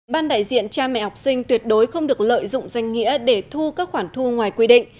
ban đại diện cha mẹ học sinh tuyệt đối không được lợi dụng danh nghĩa để thu các khoản thu ngoài quy định